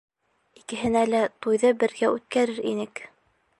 Икеһенә лә туйҙы бергә үткәрер инек.